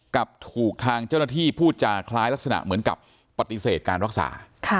กับถูกทางเจ้าหน้าที่พูดจาคล้ายลักษณะเหมือนกับปฏิเสธการรักษา